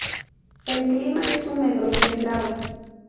El clima es húmedo y templado.